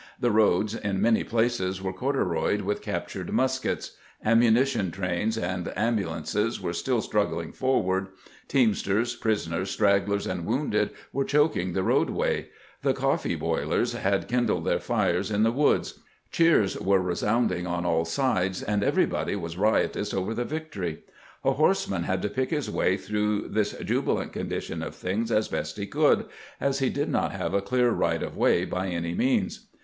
The roads in many places were cordu royed with captured muskets ; ammunition trains and ambulances were still struggling forward; teamsters, 442 CAMPAIGNING WITH GRANT prisoners, stragglers, and wounded were choking the roadway ; the " coffee boilers " had kindled their fires in the woods; cheers were resounding on all sides, and everybody was riotous over the victory. A horseman had to pick his way through this jubilant condition of things as best he could, as he did not have a clear right of way by any means.